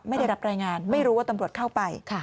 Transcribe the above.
ไม่ได้รับรายงานไม่รู้ว่าตำรวจเข้าไป